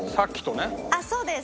そうです。